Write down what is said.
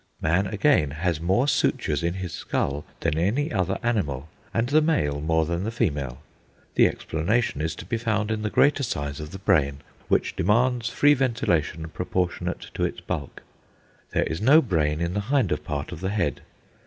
Man again has more sutures in his skull than any other animal, and the male more than the female. The explanation is to be found in the greater size of the brain, which demands free ventilation proportionate to its bulk.... There is no brain in the hinder part of the head....